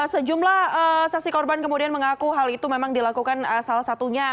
sejumlah saksi korban kemudian mengaku hal itu memang dilakukan salah satunya